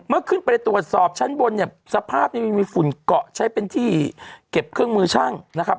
เมื่อขึ้นไปตรวจสอบชั้นบนเนี่ยสภาพนี้มันมีฝุ่นเกาะใช้เป็นที่เก็บเครื่องมือช่างนะครับ